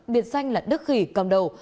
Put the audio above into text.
biệt danh là đức khỉ cầm đầu